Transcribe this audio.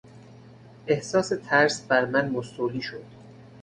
احساس ترس بر من مستولی شد.